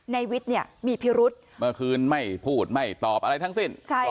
ในวิทย์เนี่ยมีพิรุษเมื่อคืนไม่พูดไม่ตอบอะไรทั้งสิ้น